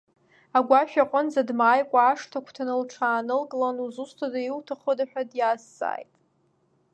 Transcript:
Агәашә аҟынӡа дмааикәа ашҭа агәҭаны лҽаанылкылан, узусҭада, иуҭахыда ҳәа диазҵааит.